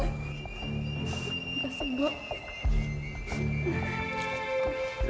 tidak ada lagi